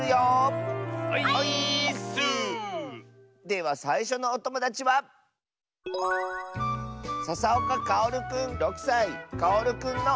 ではさいしょのおともだちはかおるくんの。